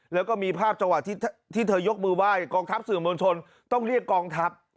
แล้วก็มีภาพจังหวะที่เธอยกมือไหว้กองทัพสื่อมวลชนต้องเรียกกองทัพ